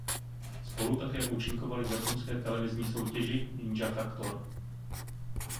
Spolu také účinkovali v japonské televizní soutěži "Ninja faktor".